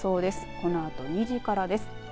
このあと２時からです。